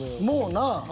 もうなぁ。